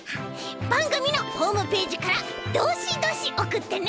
ばんぐみのホームページからドシドシおくってね！